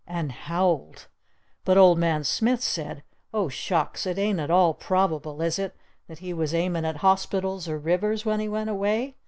And howled! But Old Man Smith said, "Oh Shucks! It ain't at all probable, is it, that he was aimin' at hospitals or rivers when he went away?